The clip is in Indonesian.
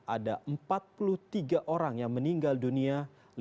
ada empat puluh tiga orang yang meninggal dunia